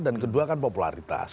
dan kedua kan popularitas